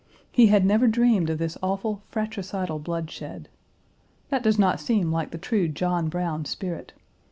He had never dreamed of this awful fratricidal bloodshed. That does not seem like the true John Brown spirit.